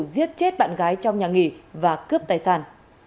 giết chết bạn gái trong nhà nghỉ và cướp tài sản